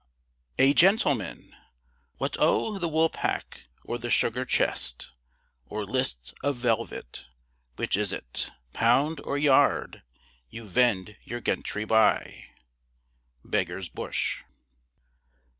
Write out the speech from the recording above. A gentleman! What o' the woolpack? or the sugar chest? Or lists of velvet? which is 't, pound, or yard, You vend your gentry by? BEGGAR'S BUSH.